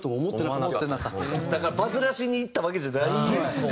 だからバズらしにいったわけじゃないんですね。